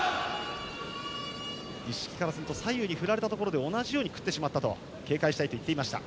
一色からすると左右に振られたところで同じようにくってしまったところを警戒したいと言っていました。